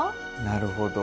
なるほど。